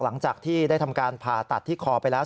หลังจากที่ได้ทำการผ่าตัดที่คอไปแล้ว